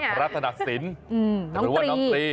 อัคระนัดสินหรือว่าน้องตรี